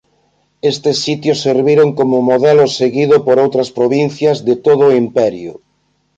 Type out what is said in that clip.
Estes sitios serviron como modelo seguido por outras provincias de todo o imperio.